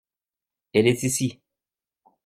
Elle est ici.